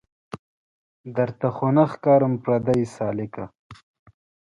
درته خو نه ښکارم پردۍ سالکه